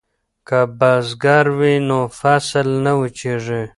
که بزګر وي نو فصل نه وچېږي.